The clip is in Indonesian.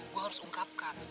gue harus ungkapkan